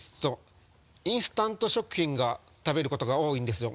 インスタント食品が食べることが多いんですよ。